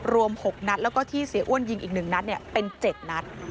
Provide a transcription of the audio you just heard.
รวมหกนัดแล้วก็ที่เสียอ้วนยิงอีกหนึ่งนัดเนี่ยเป็นเจ็ดนัด